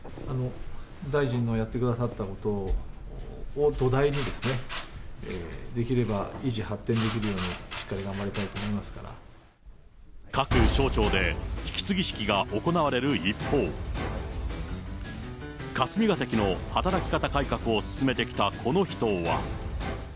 大臣のやってくださったことを土台にですね、できれば維持・発展できるようにしっかり頑張りたいと思いますか各省庁で引き継ぎ式が行われる一方、霞が関の働き方改革を進めてきたこの人は。